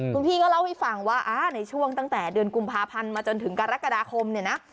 คุณพี่ก็เล่าให้ฟังว่าในช่วงตั้งแต่เดือนกุมภาพันธ์มาจนถึงกรกฎาคมเนี่ยนะ